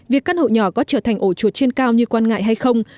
việc căn hộ nhỏ có trở thành ổ chuột trên cao như quan ngại hay không